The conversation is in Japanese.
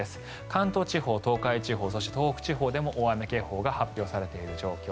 関東地方、東海地方そして東北地方でも大雨警報が発表されている状況。